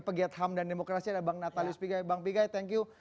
pegiat ham dan demokrasi ada bang natalius pigai bang pigai thank you